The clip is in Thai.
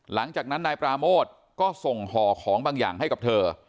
หลังจากนั้นนายปราโมทก็ส่งห่อของบางอย่างให้กับเธอ